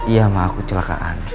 iya emang aku celakaan